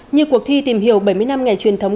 như cuộc thi tìm hiểu bảy mươi năm ngày truyền thống